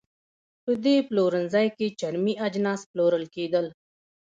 په دې پلورنځۍ کې چرمي اجناس پلورل کېدل.